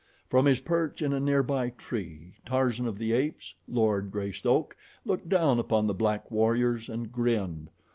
From his perch in a near by tree Tarzan of the Apes, Lord Greystoke, looked down upon the black warriors and grinned.